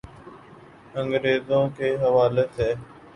انگریزوں کے حوالے سے۔